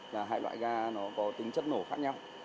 là hai loại ga nó có tính chất nổ khác nhau